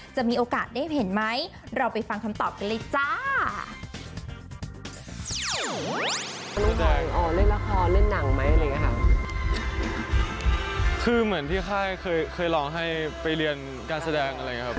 ไปลองให้ไปเรียนการแสดงอะไรอย่างนี้ครับ